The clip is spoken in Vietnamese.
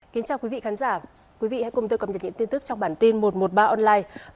kính chào quý vị khán giả quý vị hãy cùng tôi cập nhật những tin tức trong bản tin một trăm một mươi ba online